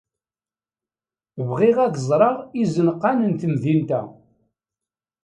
Bɣiɣ ad ẓreɣ izenqan n temdint-a.